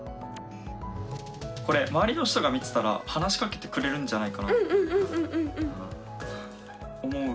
これ周りの人が見てたら話しかけてくれるんじゃないかなって思う。